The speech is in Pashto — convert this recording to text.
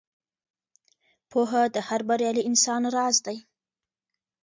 پوهه د هر بریالي انسان راز دی.